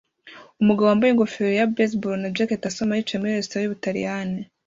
Umugabo wambaye ingofero ya baseball na jacket asoma yicaye muri resitora y'Ubutaliyani